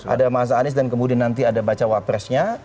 ada mas anies dan kemudian nanti ada bacawa pressnya